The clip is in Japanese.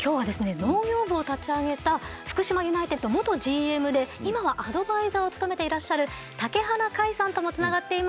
農業部を立ち上げた福島ユナイテッド元ＧＭで今はアドバイザーを務めていらっしゃる竹鼻快さんともつながっています。